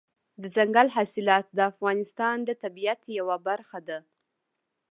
دځنګل حاصلات د افغانستان د طبیعت یوه برخه ده.